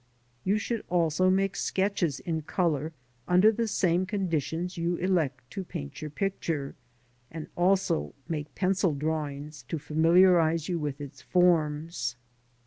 You should also make sketches in colour under the same con ditio ns you elect to paint your picture, and also make pencil drawings to familiarise you with its forms.